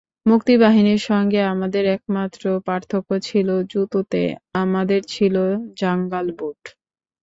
মুক্তিবাহিনীর সঙ্গে আমাদের একমাত্র পার্থক্য ছিল জুতোতে, আমাদের ছিল জাঙ্গাল বুট।